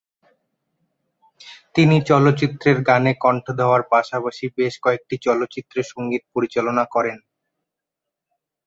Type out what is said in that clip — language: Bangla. তিনি চলচ্চিত্রের গানে কন্ঠ দেওয়ার পাশাপাশি বেশ কয়েকটি চলচ্চিত্রে সঙ্গীত পরিচালনা করেন।